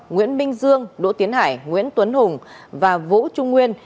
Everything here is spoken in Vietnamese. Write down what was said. nguyễn minh dương đỗ tiến hải nguyễn tuấn hùng và vũ trung nguyên